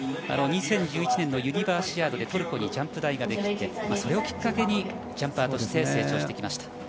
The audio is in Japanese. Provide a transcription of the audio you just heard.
２０１１年のユニバーシアードでトルコにジャンプ台ができてそれをきっかけにジャンパーとして成長してきました。